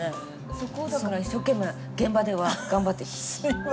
そこをだから一生懸命現場では頑張って。